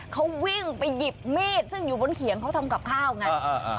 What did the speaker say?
เขาวิ่งไปหยิบมีดซึ่งอยู่บนเขียงเขาทำกับข้าวไง